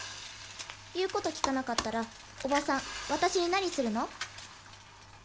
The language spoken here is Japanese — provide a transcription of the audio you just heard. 言うこと聞かなかったらおばさん私に何するの？